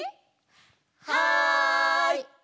はい！